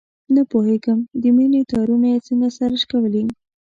نه پوهېږم د مینې تارونه یې څنګه سره شکولي.